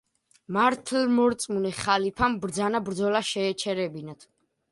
მართლმორწმუნე ხალიფამ ბრძანა ბრძოლა შეეჩერებინათ.